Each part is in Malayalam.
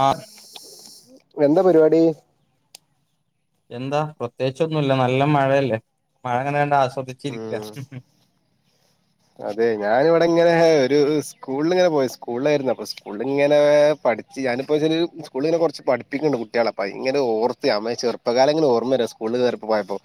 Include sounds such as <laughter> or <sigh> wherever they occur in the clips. ആ എന്താ പരിപാടി എന്താ പ്രത്യേകിച്ചൊന്നും ഇല്ല നല്ല മഴയല്ലേ മഴ അങ്ങനെ കണ്ട് ആ ദിച്ചിരിക്ക ഉം അതെ ഞാനിവിടെ ഇങ്ങനെ ഒരു സ്കൂളിലിങ്ങനെ പോയി സ്കൂളിലായിരുന്നു അപ്പൊ സ്കൂളിങ്ങനെ ഞാനിപ്പോ സ്കൂളിൽ കുറച്ച് പഠിപ്പിക്കുന്നുണ്ട് കുട്ടികളെ അപ്പ ഇങ്ങനെ ഓർതയാ ചെറുപ്പ കാലം ഇങ്ങനെ ഓർമ്മ വരും സ്കൂള് കേറിപ്പോയപ്പോ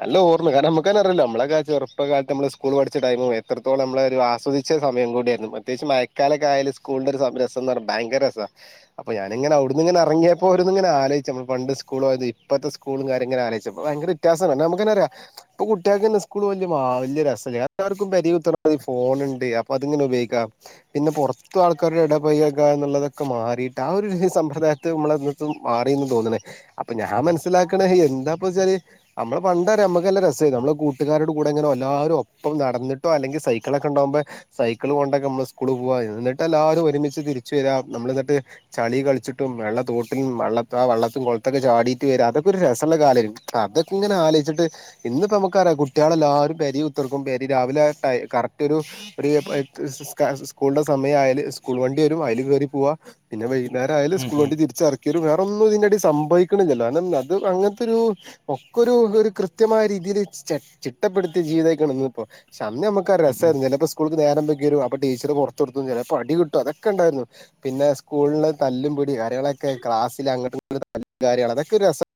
നല്ല ഓർമ്മ കാരണം നമുക്കന്ന അറിയില്ലേ നമ്മളക്കെ ചെറുപ്പ കാലത്ത് നമ്മള് സ്കൂൾ പഠിച്ച ടൈം എത്രത്തോളം നമ്മള് ഒരു ആസ്വദിച്ച സമയം കൂടിയായിരുന്നു പ്രത്യേകിച്ച് മഴക്കാലക്കായല് സ്കൂളിന്റെഒരു രസം എന്ന് പറയ ഭയങ്കരസമാണ് അപ്പൊ ഞാനിങ്ങനെ അവിടുന്നിങ്ങനെറങ്ങിയപ്പോ ഓരോന്ന് ഇങ്ങനെ ആലോചിച്ച് നമ്മ പണ്ട് സ്കൂള് പോയത് ഇപ്പത്തെ സ്കൂളും കാര്യങ്ങ ആലോചിച്ചപ്പം ഭയങ്കര വ്യത്യാസമാണ് നമുക്കന്നെറിയാം ഇപ്പൊ കുട്ടികൾക്ക് സ്കൂള് വലിയ രസല്ല്യാ എല്ലാവർക്കും വലിയ ഫോണുണ്ട് അപ്പൊ അതിങ്ങനെ ഉപയോഗിക്കാം പിന്നെ പുറത്ത ആൾക്കാരുടെ ഇടപഴക എന്നുള്ളതൊക്കെ മാ മാറിയിട്ട് ആ ഒരു സമ്പ്രദായത്ത് നമ്മൾ മാറിന്ന് തോന്നണേ അപ്പൊ ഞാൻ മനസ്സിലാക്കണെ എന്താ വെച്ചാല് നമ്മള് പണ്ടേഅറിയാം നമ്മുക്കെല്ലാം രസമായി നമ്മെ കൂട്ടുകാരോട് കൂടെ ഇങ്ങനെ എല്ലാവരും ഒപ്പം നടന്നിട്ട് ട്ടോ അല്ലെങ്കി സൈക്കിളൊക്കെണ്ടകുമ്പോ സൈക്കിൾ കൊണ്ടൊക്കെ നമ്മള് സ്കൂള് പോവാ എന്നിട്ട എല്ലാരും ഒരുമിച്ച് തിരിച്ചുവരിക നമ്മളെന്നിട്ട് ചളി കളിച്ചിട്ടും വെള്ള തോട്ടിലും വെള്ളത്തിലും കുളത്തിലും ചാടിട്ട് വരും അതൊക്കെ ഒരു രസോല്ലെ അതൊക്ക ഇങ്ങനെ ആലോചിട്ട് ഇന്നിപ്പ നമുക്കറിയാം കുട്ടികളെല്ലാരും പെരി ഉത്തർക്കും പെരി രാവിലെ കറക്റ്റ് ഒരു സ്കൂളുടെ സമയം ആയാല് സ്കൂൾ വണ്ടി വരും അതിൽ കയറി പോകുക പിന്നെ വൈകുന്നേരയാല് ഉം സ്കൂൾ ഉം വണ്ടി തിരിച്ചറക്കലും വേറൊന്നും ഇതിന്റെ ഇടയിൽ സംഭ വിക്കണില്ലല്ലോ അത് അങ്ങനത്തെ ഒരു ഒക്ക് ഒരു കൃത്യമായ രീതിയില് ചിട്ടപ്പെടുത്തി ജീവിതായികാണുന്ന് ഇപ്പം പക്ഷേ അന്ന് നമുക്ക് ഉം ഉം രസമായിരുന്നു ചിലപ്പോ സ്കൂൾക്ക് നേരംപോയി അപ്പൊ ടീച്ചർ പുറത്ത് നിർത്തും ചിലപ്പ അടി കിട്ടും അതൊക്കെ ഉണ്ടായിരുന്നു പിന്നെ സ്കൂളില് തല്ലും പിടി കാര്യങ്ങളൊക്കെ ക്കെ ക്ലാസ്സിൽ അങ്ങട്ടും ഇങ്ങട്ടും തല്ലും കാര്യങ്ങളും അതൊക്കെ ഒരു രസം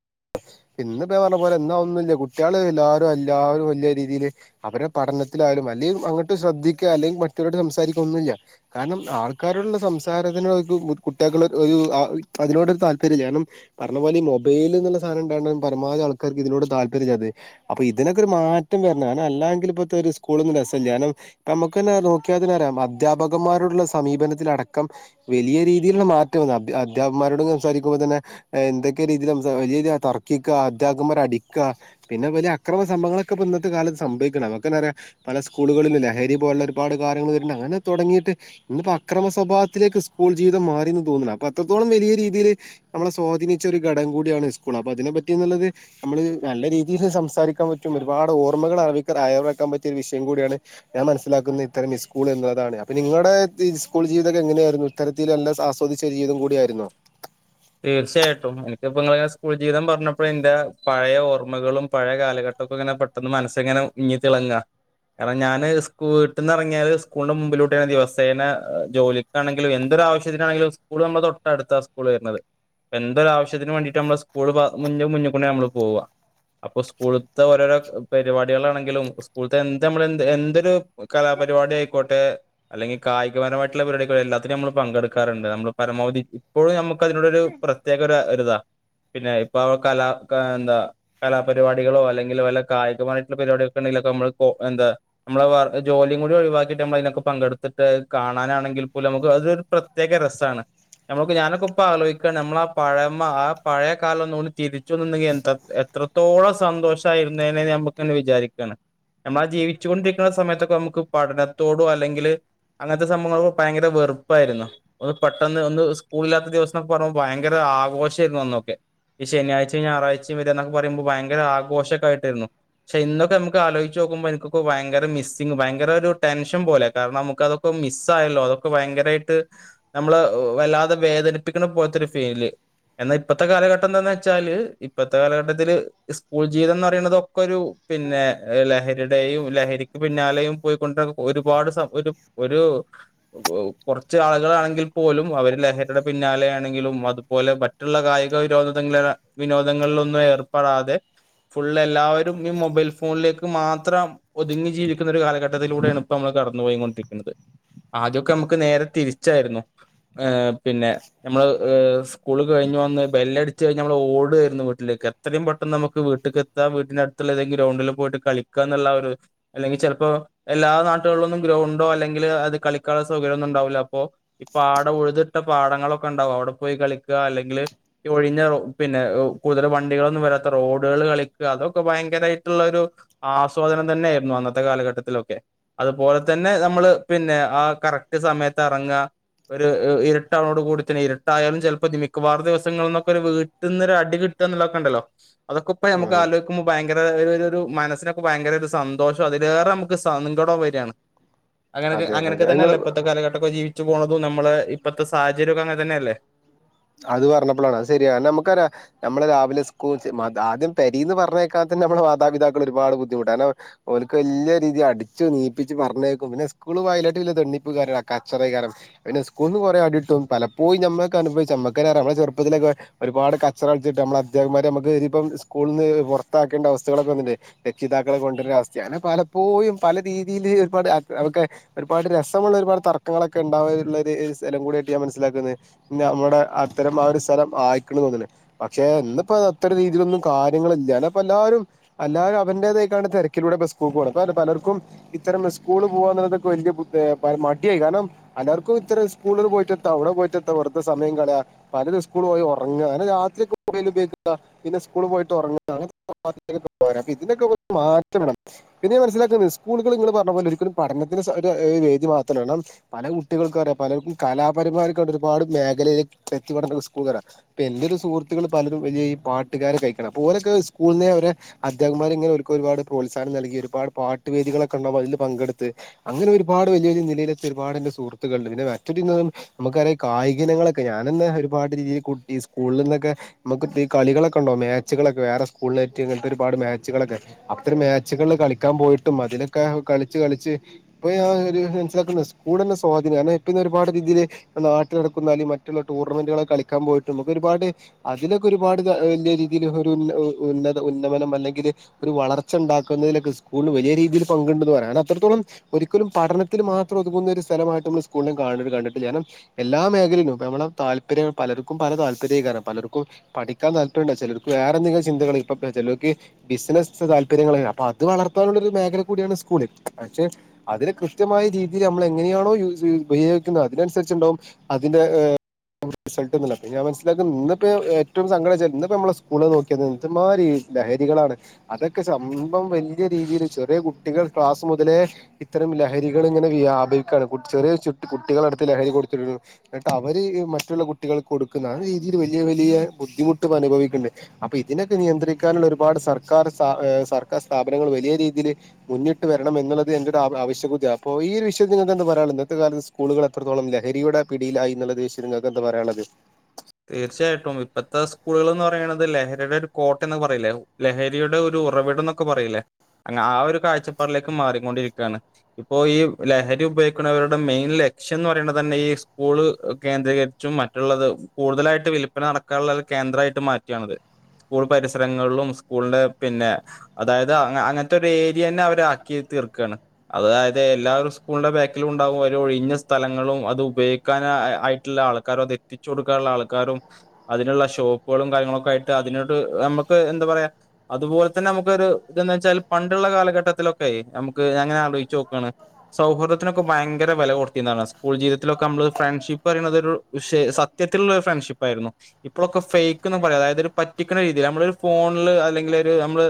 ഇന്നപ്പം പറഞ്ഞ പോലെ എന്താ ഒന്നും ഇല്ല കുട്ടികള് എല്ലാവരും എല്ലാവരും വലിയ രീതിയില് അവരെടെ പഠനത്തി ത്തിലാലും അല്ലെങ്കിൽ അങ്ങോട്ട് ശ്രദ്ധിക്കുക അല്ലെങ്കിൽ മറ്റരോട് സംസാരിക്കുക ഒന്നുമില്ല കാരണം ആൾക്കാരോടുള്ള സംസാര ഇത് എന്നോട് ചോദിക്കും കുട്ടികൾക്കുള്ള ഒരു അതിനോട് ഒരു താല്പര്യമില്ല കാരണം പറഞ്ഞ പോലെ ഈ മൊബൈൽ എന്നുള്ള സാദനം പരമാവധി ആൾക്കാർക്ക് ഇതിനോട് താല്പര്യം ചെയ്ത് അപ്പൊ ഇതിനൊക്കെ ഒരു മാറ്റം വരണം അ അല്ലെങ്കിൽ ഇപ്പത്തെ ഒരു സ്കൂളോന്നും രസല്ല്യ കാരണം ഇപ്പ നമുക്ക്ന്നെ നോക്കിയ തന്നെ അറിയാം അധ്യാപകന്മാരോടുള്ള സമീപനത്തില് അടക്കം വലിയ രീതിയിലുള്ള മാറ്റം അധ്യാപകന്മാരോടും സംസാരിക്കുമ്പോ തന്നെ എന്തൊക്കെ രീതിയിൽ സംസാരിക്കുന്ന വലിയതി തർക്ക ക്കുക അധ്യാപകന്മാരെ അടിക്കുക പിന്നെ വലിയ അക്രമ സംഭങ്ങളൊക്കെ ഇപ്പ ഇന്നത്തെ കാലത്ത് സംഭവിക്കണം നമക്കന്നെ അറിയാ പല സ്കൂളുകളില് ലഹരി പോലുള്ള ഒരുപാട് കാര്യങ്ങൾ വരുന്നുണ്ട് അങ്ങനെ തുടങ്ങിയിട്ട് ഇന്നിപ്പോ അക്രമ സ്വഭാവത്തിലേക്ക് സ്കൂൾ ജീവിതം മാറിന്ന് തോന്നുന്നില്ല അപ്പോ അത്രത്തോളം വലിയ രീതിയിൽ നമ്മളെ സ്വാധീനിച്ച ഒരു ഘടകം കൂടിയാണ് ഈ സ്കൂൾ അപ്പോ അതിനെ പറ്റിന്നിള്ളത് നമ്മള് നല്ല രീതിയിൽ സംസാരിക്കാൻ പറ്റും ഒരുപാട് ഓർമ്മകൾ അയവിറക്കാൻ പറ്റും രു വിഷയം കൂടിയാണ് ഞാൻ മനസിലാക്കുന്ന ഇത്തരം ഇ സ്കൂൾ എന്നതാണ് അപ്പൊ നിങ്ങളുടെ സ്കൂൾ ജീവിതംക്കെ എങ്ങനെയായിരുന്നു ഇത്തരത്തിൽ എല്ലാ ആസ്വദിച്ച ജീവിതം കൂടിയായിരുന്നോ തീർച്ചയായിട്ടും എനിക്കിപ്പോ നിങ്ങള് സ്കൂൾ ജീവിതം പറഞ്ഞപ്പോഴെ എൻറെ പഴയ ഓർമ്മകളും പഴയ കാലഘട്ടം അപ്പ ഇങ്ങനെ പെട്ടന്ന് മനസിങ്ങനെ മിന്നി തിളങ്ങുക കാരണം ഞാന് വീടന്ന് ഇറങ്ങിയാല് സ്കൂളിന്റെ മുമ്പിലൂടെയാ ദിവസേന ജോലിക്കാണെങ്കിലും എന്ത് എന്ത് ആവശ്യത്തിനാണെങ്കിലും സ്കൂൾ നമ്മുടെ തൊട്ടടുത്താ സ്കൂൾ വരുന്നത് എന്തൊരു ആവശ്യത്തിന് വേണ്ടിട്ട് നമ്മള് സ്കൂള് മുന്നികൂടിയ നമ്മള് പോവുക അപ്പൊ സ്കൂളത്തെ ഓരോരോ പരിപാടികളാണെങ്കിലും സ്കൂളത്തെ എന്ത് നമ്മള് എന്തൊരു കലാ പരിപാടി ആയിക്കോട്ടെ അല്ലെങ്കിൽ കായികപരമായിട്ടുള്ള പരിപാടിയായിക്കോട്ടെ എല്ലാത്തിനും നമ്മ പങ്കെടുക്കാറുണ്ട് നമ്മള് പരമാവധി ഇപ്പോഴും നമുക്കതിനു പ്രത്യേക ഒരു ഒരിത പിന്നെ ഇപ്പൊ കലാ എന്താ കലാപരിപാടികളോ അല്ലെങ്കിൽ വല്ല കായികമായിട്ടുള്ള പരിപാടിക ഏതെങ്കിലും എന്താ നമ്മ ജോലിയും കൂടി ഒഴിവാക്കിട്ട് നമ്മളതിനൊക്കെ പങ്കെടുത്തിട്ട് കാണാനാണ് എങ്കിൽ പോലും നമ്മുക്ക് അതൊരു പ്രത്യേക രസാണ് നമ്മുക്ക് ഞാനൊക്കെ ഇപ്പ ആലോചി നമ്മളാ പഴമ ആ പഴയ കാലം ഒന്നൂടി തിരിച്ചു വന്നിണ്ടെങ്കി എത്രത്തോളം സന്തോഷമായി രുന്നെനേ നമുക്ക്ന്ന് വിചാരിക്കണ് നമ്മളാ ജീവിച്ചു കൊണ്ടിരിക്കുന്ന സമയത്തൊക്കെ നമുക്ക് പഠനത്തോടോ അല്ലെങ്കില് അങ്ങനത്തെ സംഭവങ്ങളൊക്കെ ഭയങ്കര വെറുപ്പായിരുന്നു ഒന്ന് പെട്ടെന്ന് ഒന്ന് സ്കൂളില്ലാത്ത ദിവസം പറയുമ്പോ ഭയങ്കര ആഘോഷായിരുന്നു അന്നൊക്കെ ഈ ശനിയാഴ്ചയും ഞായറാഴ്ചയും വര എന്നക്കെ പറയുമ്പോൾ ഭയങ്കര ആഘോഷക്കായിട്ടായിരുന്നു ക്ഷെ ഇന്നൊക്കെ നമുക്ക് ആലോയ്ച്ചോക്കുമ്പോഎനിക്കൊക്കെ ഭയങ്കര മിസ്സിങ് ഭയങ്കര ഒരു ടെൻഷൻ പോലെ കാരണം നമുക്കതൊക്കെ മിസ്സ് ആയല്ലോ അതൊക്കെ ഭയങ്കരായിട്ട് നമ്മള് വല്ലാതെ വേദനി പ്പിക്കണ പോത്തൊരു ഫീല് എന്നാ ഇപ്പത്തെ കാലഘട്ടം എന്താന്ന് വെച്ചാല് ഇപ്പത്തെ കാലഘട്ടത്തില് സ്കൂൾ ജീവിതംന്ന് പറയണതൊക്കൊരു പിന്നെ ലഹരിടെയും ലഹരിക്ക് പിന്നാലെയും പോയിക്കൊണ്ട ഒരുപാട് സ ഒരു ഒരു കുറച്ച് ആളുകാണെങ്കിൽ പോലും അവര് ലഹരിടെ പിന്നാലെയാണെങ്കിലും അതുപോലെ മറ്റുള്ള കായിക വിനോദ വിനോദങ്ങളിലൊന്നും ഏർപ്പെടാതെ ഫുള്ള് എല്ലാവരും ഈ മൊബൈൽ ഫോണിലേക്ക് മാത്രം ഒതുങ്ങി ജീവിക്കുന്ന ഒരു കാലഘട്ടത്തിലൂടെയാണ് ഇപ്പമ്മള് കടന്ന് പോയി കൊണ്ടിരിക്കുന്നത് ആദ്യൊക്കെ നമുക്ക് നേരെ തിരിച്ചായിരുന്നു ഹ് പിന്നെ നമ്മള് ഹ് സ്കൂള് കഴിഞ്ഞ് വന്ന് ബെല്ലടിച്ച് കഴിഞ്ഞ നമ്മളോടുകായിരുന്നു വീട്ടിലേക്ക് എത്രയും പെട്ട പ്പൊ നമുക്ക് വീട്ടിക്കെത്താം വീട്ടിനടുത്തുള്ള ഏതെങ്കിലും ഗ്രൗണ്ടിൽ പോയിട്ട് കളിക്കന്നുള്ള ഒരു അല്ലെങ്കിൽ ചെലപ്പോ എൽ ല്ലാ നാട്ടുകളിലൊന്നും ഗ്രൗണ്ടോ അല്ലെങ്കില് അത് കളിക്കാള്ള സൗകര്യം ഒന്നുണ്ടാവില്ല അപ്പോ ഈ പാടം ഉഴുത് ട്ട പാടങ്ങളൊക്കെണ്ടാവും അവിടെ പോയി കളിക്ക അല്ലെങ്കില് ഒഴിഞ്ഞ റോ പിന്നെ കൂടുതൽ വണ്ടികളൊന്നും വര രാത്ത റോഡുകളില് കളിക്ക അതൊക്കെ ഭയങ്കരായിട്ടുള്ള ഒരു ആസ്വാദനം തന്നേയിരുന്നു അന്നത്തെ കാലഘട്ടത്തിലൊക്കെ അതുപോലെത്തന്നെ നമ്മള് പിന്നെ ആ കറക്റ്റ് സമയത്ത് അറങ്ങ ഒരു ഇ ഇരു ട്ടാണോട് കൂടി തന്നെ ഇരുട്ടായാലും ചെലപ്പോ ഇത് മിക്കവാറും ദിവസങ്ങളിൽ നിന്നൊക്കൊരു വീട്ടിൽന്നൊരടി കിട്ടുകന്നുള്ളതക്കെ ണ്ടല്ലോ അതൊക്കെപ്പൊ നമുക്ക് ആഹ് ആലോചിക്കുമ്പോ ഭയങ്കര ഒരരു മനസിനൊക്കെ ഭയങ്കരൊരു സൻ ന്തോഷോം അതിലേറെ നമുക്ക് സങ്കടോം വരാണ് അങ്ങനെക്കെ അതെ അതെ അങ്ങനൊക്കെത്തന്നെല്ലെ നിങ്ങള് ഇപ്പത്തെ കാലഘട്ടൊക്കെ ജീവിച്ചു പോണെ ത് നമ്മളെ ഇപ്പത്തെ സാഹചര്യക്കെ അങ്ങൻ തന്നെല്ലേ അത് പറഞ്ഞപ്പളാണ് അത് സരിയ നമുക്കറിയാം നമ്മള് രാവിലെ സ്കൂൾ മദ ആദ്യം പെരീന്ന് പറഞ്ഞയക്കാത്ത നമ്മുടെ മാതാപിതാക്കള് ഒരുപാട് ബുദ്ധിമുട്ടാണ് കാരണം ഓൽക്ക് വല്ല്യ രീതി അടിച്ചു നീപ്പിച്ച് പറഞ്ഞയക്കും പിന്നെ സ്ക്കൂ ളു പോയിലിട്ട് വെല്യേ തെണ്ണിപ്പ് കാരണ കച്ചറേയ്കാരം പിന്നെ സ്കൂന്ന് കൊറേ അടിട്ടും പലപ്പോയു. നമ്മക്ക് അനുഭവിച്ച ചമ്മക്കന്നറിയാം നമ്മള് ചെറുപ്പത്തിലക്കെ ഒരുപാട് കച്ചറ കളിച്ചിട്ട് നമ്മള അധ്യാകന്മാരെ നമക്ക് ഇപ്പം സ്കൂളന്ന് പുറത്താക്കി ക്കെണ്ട അവസ്ഥകളൊക്കെ വന്നിട്ടേ രക്ഷിതാക്കളെ കൊണ്ടരാവസ്ഥയാ അങനെ പലപ്പോയും പല രീതിയില് ഒരുപാട് അവക്കെ ഒരുപാട് രസമുള്ള ഒരുപാട് തർക്കങ്ങളൊക്കെ ണ്ടാവന്നുള്ളോരു സ്ഥലം കൂടിയായിട്ട് ഞാൻ മനസ്സിലാക്കുന്ന പീന്നെ മ്മടെ അത്തരം ആ ഒരു സ്ഥലം ആയിക്ക്ണ് തോന്ന്ണ് പക്ഷെ ന്നിപ്പോ അത്ര രീതിയിലൊന്നും കാര്യങ്ങളില്ല ന്ന പ്പെല്ലാ രും അല്ലാരും അവന്റേതായിക്കാണ്ട് തിരക്കിലൂടെപ്പ സ്കൂൾക്ക് പോണത് പലർക്കും ഇത്തരം സ്കൂള് പോകാന്നുള്ളത് വലിയ ബുദ്ദേ പ മടിയായി കാരണം അല്ലാർക്കും ഇത്രം സ്കൂളിൽ പോയിട്ടെത്ത അവിടെ പോയിട്ടെത്ത വെറുതെ സമയം കളയാ പലരും സ്കൂളോയി ഒറങ്ങ അങ്ങനെ രാത്രി ഒക്കെ പോയാലും <unintelligible> പിന്നെ സ്കൂൾ പോയിട്ട് ഉറങ്ങ <unintelligible> പോരാ ഇതിനൊക്കെ ഒരു മാറ്റം വേണം പിന്നെ മനസ്സിലാക്ക്ന്നെ സ്കൂളുകള് ങ്ങള് പറഞ്ഞ പോലെ ഒരിക്കലും പഠനത്തിന് സ ഒരു ആ പേജ് മാത്രണം പല കുട്ടികൾക്കു അറിയ പലർക്കും കലാപരമാർക്കൊ ഒരുപാട് മേഖലയില് വ്യക്തി പഠന സ്കൂള് തരാം പ്പൊന്റൊരു സുഹൃത്ത്കളും പലരും വലിയ ഈ പാട്ട്കാര് കയിക്കണം ഓലൊക്കെ സ്കൂളിന്നെ വര് അധ്യാപന്മാർ ഇങ്ങനെ ഓൽക്കൊരുപാട് പ്രോത്സഹം നൽകി ഒരുപാട് പാട്ട് വേദികളൊക്കെണ്ടും അതിൽ പങ്കെടുത്ത് അങ്ങ ഇതിനൊരുപാട് വലിയ വലിയ നിലയിലെത്തിയ ഒരുപാട് ൻ്റെ സുഹത്തുക്കളുണ്ട് പിന്നെ മറ്റൊരു <unintelligible> നമുക്കറിയാം കായികയിനങ്ങളക്കെ ക്ക് ഞാനിന്ന് ഒരുപാട് രീതി കുട്ടി സ്കൂളിന്നൊക്കെ മുക്ക് ടീ കളികളൊക്കെ ഉണ്ടാവും മാച്ചുകളൊക്കെ വേറെ സ്കൂളില് ഏറ്റ് ഒരുപാട് മാച്ചുകളൊക്കെ അത്രം മാ ച്ചകളിൽ കളിക്കാൻ പോയിട്ടും അതിലൊക്കെ കളിച്ച് കളിച്ച് ഇപ്പ ഒരു മനസ്സിലാക്കുന്നത് സ്കൂളന്നെ സ്വാം ഇപ്പ ഞാന് ഇപ്പൊന്ന് ഒരുപാട് രീതിയില് നാട്ടില് നടക്കുന്നാലും മ റ്റുള്ള ടൂർണമെന്റുകളൊ കളിക്കാൻ പോയിട്ടും മുക്കൊരുപാട് അതിലൊക്കെ ഒരുപാട് ത വല്ല്യാ രീതിയിലൊക്കെ ഒരു ഒ ല്ലത് ഉന്നമനം അല്ലെങ്കില് ഒരു വളർച്ചണ്ടാക്കുന്നതിലൊക്കെ സ്കൂളിന് വലിയ രീതിയില് പങ്കുണ്ടെന്ന് പറയാണം അത് അത്രത്തോളം ഒരിക്കലും പഠനത്തിൽ മാത്രം ഒതുങ്ങുന്ന ഒരു സ്ഥലമായിട്ട് നമ്മൾ സ്കൂളിനെ കാണരു കണ്ടിട്ടില്ല കാരണം എല്ലാ മേഖലയിലും നമ്മളെ താല്പര്യം പലർക്കും പല താല്പര്യക്കാരം പലർക്കും പഠിക്കാൻ താല്പര്യലണ്ടാ ചെലർക്ക് വേറെന്തങ്കിലും ചിന്തകള ഇപ്പ പേ ചെലോർക്ക് ബിസിനസ്സ് താല്പര്യങ്ങള് അപ്പൊ അത് വളർത്താനുള്ള ഒരു മേഖല കൂടിയാണ് സ്കൂളി പക്ഷെ അതിന് കൃത്യമായ രീതിയിൽ നമ്മൾ എങ്ങനെയാണോ യൂസി ഉപയോഗിക്കുന്നത് അതിനനുസരിച്ചുണ്ടകും അതിന്റെ ഏ റിസൾട്ട്ന്നില്ല പിന്നെ ഞാൻ മനസിലാക്കുന്നത് ഇന്ന് പ്പൊ ഞാൻ ഏറ്റവുംസങ്കടച്ച ഇന്ന്പ്പോ നമ്മള സ്കൂള് നോക്കിയ എന്ത് മാ ന്നീ ലഹരികളാണ് അതൊക്കെ സംഭവം വല്ല്യ രീതിയില് ചെറിയ കുട്ടികൾ ക്ലാസ് മുതലേ ഇത്തരം ലഹരികളിങ്ങനെ വ്യാപിക്കാണ് കു ചെറിയ ചുട്ടി കുട്ടികളടുത്ത് ലഹരി കൊടുത്തിനിട്ടാവും അവര് ഈ മറ്റുള്ള കുട്ടികൾക്ക് കൊടുക്കുന്ന ആ രീതിയിൽ വലിയ വലിയ ബുദ്ധിമുട്ടും അനുഭവിക്കുന്നുണ്ട് അപ്പൊ ഇതിനൊക്കെ നിയന്ത്രിക്കാനുള്ള ഒരുപാട് സർക്കാർ സർക്കാർ സ്ഥാപനങ്ങൾ വലിയ രീതിയിൽ മുന്നിട്ട് വരണം എന്നുള്ളത് <inaudible> റിച്ച് നിങ്ങൾക്ക് എന്താ പറയാനുള്ളത് തീർച്ചയായിട്ടും ഇപ്പോത്തെ സ്കൂളുകൾ എന്ന് പറയണുന്നത് ലഹരിയുടെ ഒരു കോട്ടയ പറയില്ലെ ലഹരിയുടെ ഒരു ഉറവിട ന്നൊക്കെ കുറേ ആയിലെ ആ ഒരു കാഴ്ചപ്പാടിലേക്ക് മാറിക്കൊണ്ടിരിക്കുകയാണ് ഇപ്പോ ഈ ലഹരി ഉപയോഗിക്ക എന്നവരുടെ മെയിൻ ലക്ഷ്യം എന്ന് പറയ തന്നെ ഈ സ്കൂള് കേന്ദ്രീകരിച്ചും മറ്റുള്ളത് കൂടുതലായിട്ട് വില്പ്പന നടക്കാനുള്ള ഒരു കേന്ദ്രമായിട്ട് മാറ്റാണിത് സ്കൂൾ പരിസരങ്ങളിലും സ്കൂളിന്റെ പിന്നെ അതായത് അങ്ങനത്തെ ഒരു ഏരിയ തന്നെ അവരാക്കി തീർക്കയാണ് അതായത് എല്ലാവും സ്കൂളിന്റെ ബാക്കിലും ഉണ്ടാകും ഒരു ഒഴിഞ്ഞ സ്ഥലങ്ങളും അത് ഉപയോഗിക്കാ ആയിട്ടുള്ള ആൾക്കാരത് എത്തിച്ചൊടുക്ക ള്ള ആൾക്കാരും അതിനുള്ള ഷോപ്പുകളും കാര്യങ്ങളൊക്കെ ആയിട്ട് അതിന് നമക്ക് എന്താ പറ അതുപോലെ തന്നെ നമുക്കൊരു ഇതാ വെച്ചാൽ പണ്ടുള്ള കാലഘട്ടത്തിലൊക്കെ നമുക്ക് അങ്ങനെ ആലോചിച്ച് നോക്കാണ് സൗഹൃദത്തിനൊക്കെ ഭയങ്കര വില കൊട്ത്തിന്നതാണ് സ്കൂൾ ജീവിതത്തിലൊക്കെ നമ്മള് ഫ്രണ്ട്ഷിപ്പ് പറയന്നത് ഒരു വിഷ സ സത്യത്തിലുള്ള ഫ്രണ്ട്ഷിപ്പയിരുന്നു ഇപ്പോളോക്കെ ഫേക്ക്ന്ന് പറയാം അതായത് പറ്റിക്കുന്ന രീതിയിൽ നമ്മ ഒരു ഫോണില് അല്ലെങ്കിൽ ഓര് നമ്മള്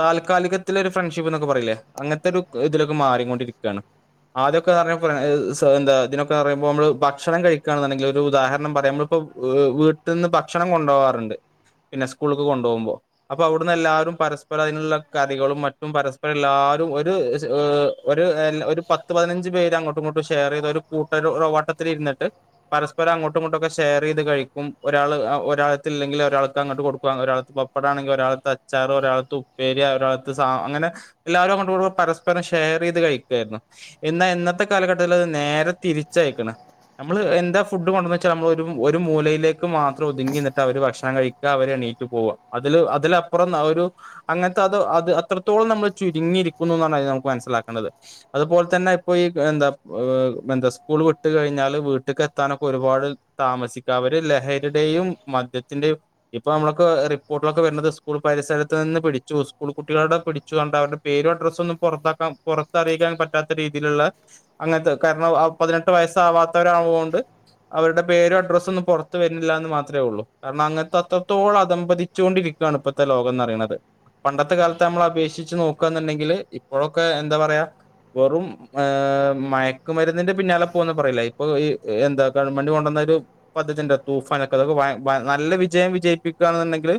താൽക്കാലികത്തില ഒരു ഫ്രണ്ട്ഷിപ്പ് എന്നൊക്കെ പറയില്ലേ അങ്ങനത്തെ ഒരു ഇതിലൊക്കെ മാറിക്കൊണ്ടിരിക്കുയാണ് ആദ്യക്കെ പറ സാ എന്താ ഇതിനൊക്കെ പറുമ്പോ നമ്മള് ഭക്ഷണം കഴിക്കുകണെന്നുണ്ടെങ്കിൽ ഒരു ഉദാഹര ണം പറയാം പ്പോ വീട്ടിൽ നിന്ന് ഭക്ഷണം കൊണ്ടാകാറുണ്ട് പിന്നെ സ്കൂളക്ക് കൊണ്ടുപോകുമ്പോൾ അപ്പൊ അവിടുന്ന് എല്ലാരും പരസ്പര അതിനുള്ള കറികളും മറ്റും പരസ്പരം എല്ലാ ഒരു ഒരു ഒരു പത്ത് പതിനഞ്ച് പേര് അങ്ങോട്ടും ഇങ്ങോട്ടും ഷെയർ ചെയ്ത കൂട്ട ഒരു വട്ട ത്തിരുന്നിട്ട് പരസ്പരം അങ്ങോട്ട് ഇങ്ങോട്ടൊക്കെ ഷെയർ ചെയ്ത് കഴിക്കും ഒരാൾ ഒരാളത്തില്ലെങ്കിൽ ഒരാൾക്ക് അങ്ങോട്ട് കൊടുക്ക ഒരാൾ പപ്പടാണെങ്കിൽ ഒരാൾ അച്ചാറ് ഒരാത്ത് ഉപ്പേരിയ ഒരാ അങ്ങനെ എല്ലാവരും അങ്ങോ പരസ്പരം ഷെയർ ചെയ്ത് കഴിക്കും എന്നാ ഇന്നത്തെ കാലഘട്ടത്തിൽ അത് നേരെ തിരിച്ചയക്കണം നമ്മള് എന്താ ഫുഡ് കൊണ്ട നമ്മള് ഒരു മൂലയിലേക്ക് മാത്രം ഒതുങ്ങിട്ട് അവര് ഭക്ഷണം കഴിക്ക അവര് എണീറ്റ് പോവാ അതില് അതില് അ പ്പുറം ഒരു അങ്ങനത്തെ അത് അത് അത്രത്തോളം നമ്മള് ചുരുങ്ങിയിരിക്കുന്നു എന്നാണ് അതിൽ നമുക്ക് മനസ്സിലാക്കേണ്ടത് അതുപോലെ തന്നെ ഇപ്പൊ ഈ എന്താ എന്താ സ്കൂൾ വിട്ട കഴിഞ്ഞാല് വീട്ടക്ക് എത്താനൊക്കെ ഒരുപാട് താമസിക്ക അവര് ലഹരിയുടെയും മദ്യത്തിന്റെയും ഇപ്പൊ നമ്മളക്ക് റിപ്പോർട്ടിലൊക്കെ വരുന്നത് സ്കൂൾ പരിസരത്ത്നിന്ന് പിടിച്ചു സ്കൂൾ കുട്ടികളോടെ പിടിച്ചു കണ്ട് അവരുടെ പേരും അഡ്രസ് ഒന്നും പുറത്താക്കാ പുറത്തറിയിക്കാൻ പറ്റാത്ത രീതിയിലുള്ള അങ്ങനത്തെ കാരണം പതിനെട്ട് വയസ്സാവാത്തവരുകൊണ്ട് അവരുടെ പേരോ അഡ്‌റസോ ഒന്നും പുറത്ത് വരുന്നില്ല എന്ന് മാത്രമേ ഉള്ളൂ കാരണം അങ്ങനത്തെ അത്രത്തോളം അതമ്പതിച്ചുകൊണ്ടിരിക്കുവയാണ് ഇപ്പത്തേ ലോകംന്ന്റയണുന്നത് പണ്ടത്തെ കാലത്ത് നമ്മൾ അപേക്ഷിച്ച് നോക്ക എന്നുണ്ടെങ്കില് ഇപ്പോഴൊക്കെ എന്താ പറയാ വെറും ആ മയക്കുമരുന്നിന്റെ പിന്നാലെ പോന്ന് പറയില്ല ഇപ്പൊ ഈ എന്താ ഗവൺമെൻ്റ് കൊണ്ടന്നാ പദ്ധതി തൂഫൻക്കെ അതക്കെ നല്ല വിജയം വിജയിപ്പിക്കുകയാണ്ടെങ്കിൽ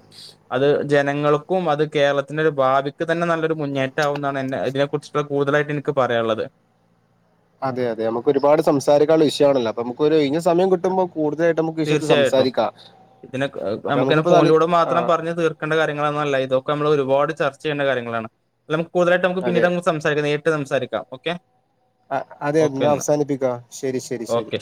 അത് ജന നങ്ങൾക്കും അത് കേരളത്തിന്റെ ഒരു ഭാവിക്ക് തന്നെ നല്ലൊരു മുന്നേറ്റമാവു എന്നാണ് എന്നെ ഇതിനെ കുറിച്ചുള്ള കൂടുതലായിട്ട് എനിക്ക് പ റയാനുള്ളത് അതെ അതെ നമുക്ക് ഒരുപാട് സംസാരിക്കാനുള്ള വിഷയ ആണല്ലോ അപ്പൊനമുക്ക് സമയം കിട്ടുമ്പോ കൂടുതലായിട്ട് നമുക്ക് വിശയത്ത് തീർച്ചയായിട്ടും സംസാരിക്കാം ഇതിനെ അപ്പൊ നമുക്കന്നെ നമുക്കിപ്പോ തലി ഫോണിലൂടെ ആ, മാത്രം പറഞ്ഞ് തീർക്കേണ്ട കാര്യങ്ങളൊന്നും അല്ല ഇതോ ക്കെ നമ്മള് ഒരുപാട് ചർച്ച ചെയ്യണ്ട കാര്യങ്ങളാണ് ന കൂടുതലട്ട് നമക്ക് അതെ പിന്നീട് സംസാരിക്കാം നേരിട്ട് സംസാരിക്കാം ഓക്കെ ആ അതെ ഓക്കെ എന്നാ ന്നഅവസാനിപ്പിക്ക ശരി ശരി ശരി